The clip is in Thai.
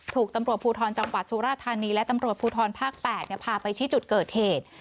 ถูกตำรวจภูทรจังหวัดสุราธานีและตำรวจภูทรภาค๘พาไปชี้จุดเกิดเหตุ